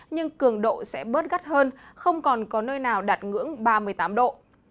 nhưng cường độ sẽ bớt gắt hơn không còn có nơi nào đạt ngưỡng ba mươi tám độ